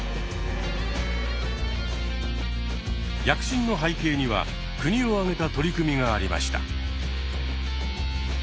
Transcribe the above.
躍進の背景には国を挙げた取り組みがありました。